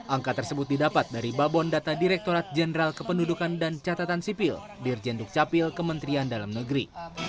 angka tersebut didapat dari babon data direkturat jenderal kependudukan dan catatan sipil dirjen dukcapil kementerian dalam negeri